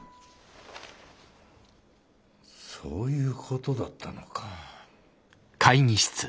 そういうことだったのか。